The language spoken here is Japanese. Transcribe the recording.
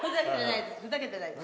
ふざけてないです。